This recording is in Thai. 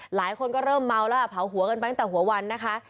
หลายคนก็เริ่มเมาแล้วเผาหัวกันไปตั้งแต่หัววันนะคะ